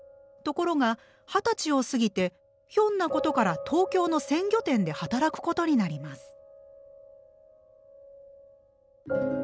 ところが二十歳を過ぎてひょんなことから東京の鮮魚店で働くことになります。